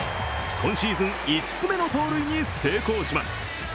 今シーズン５つ目の盗塁に成功します。